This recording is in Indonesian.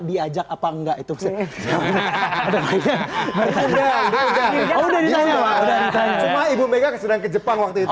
diajak apa enggak itu atau enggak pink normal dan kita cuma ibu mega es mengejepang waktu itu